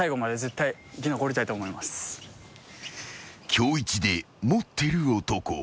［今日イチで持ってる男。